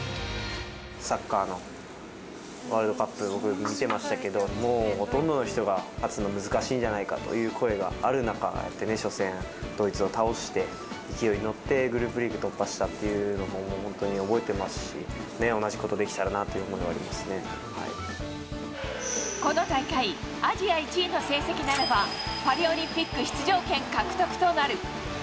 サッカーのワールドカップで僕、見てましたけど、もう、ほとんどの人が勝つのが難しいんじゃないかという声がある中で、初戦、ドイツを倒して、勢いに乗って、グループリーグ突破したというのを本当に覚えてますし、同じことできたらなというふうにこの大会、アジア１位の成績ならば、パリオリンピック出場権獲得となる。